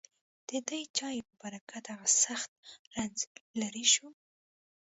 ددې چایو په برکت هغه سخت رنځ لېرې شو.